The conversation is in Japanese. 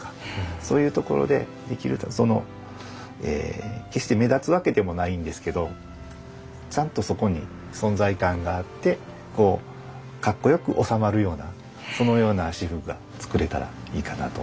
そういうところで決して目立つわけでもないんですけどちゃんとそこに存在感があって格好よく収まるようなそのような仕覆が作れたらいいかなと思っております。